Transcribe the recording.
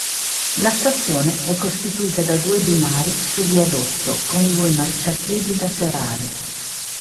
La stazione è costituita da due binari su viadotto con due marciapiedi laterali.